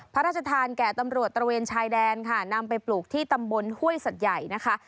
พระราชทานแก่ตำรวจตระเวนชายแดนค่ะนำไปปลูกที่ตำบลห้วยสัตว์ใหญ่นะคะ